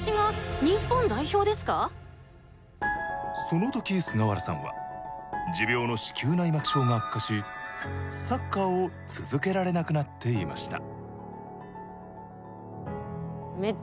その時菅原さんは持病の子宮内膜症が悪化しサッカーを続けられなくなっていました。